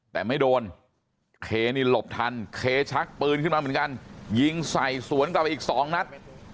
แต่ไม่โดนเคนี่หลบทันเคชักปืนขึ้นมาเหมือนกันยิงใส่สวนกลับไปอีกสองนัด